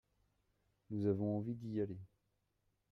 Nous avons envie d’y aller.